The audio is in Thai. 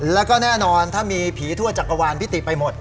แล้วก็แน่นอนถ้ามีผีทั่วจักรวาลพิติไปหมด